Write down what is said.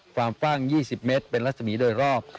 ความกว้าง๒๐เมตรเป็นรัศมีร์โดยรอบ